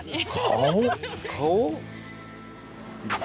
顔？